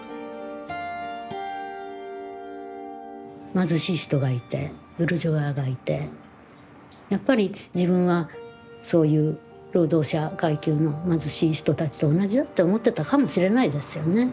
貧しい人がいてブルジョアがいてやっぱり自分はそういう労働者階級の貧しい人たちと同じだって思ってたかもしれないですよね。